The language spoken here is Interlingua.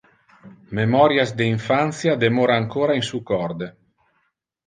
Memorias de infantia demora ancora in su corde.